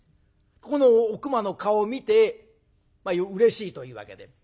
ここのおくまの顔を見てうれしいというわけで。